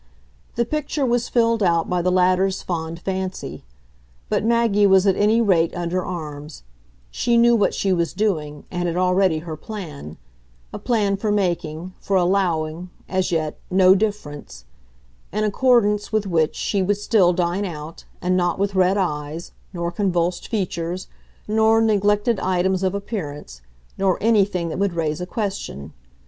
The picture was filled out by the latter's fond fancy. But Maggie was at any rate under arms; she knew what she was doing and had already her plan a plan for making, for allowing, as yet, "no difference"; in accordance with which she would still dine out, and not with red eyes, nor convulsed features, nor neglected items of appearance, nor anything that would raise a question.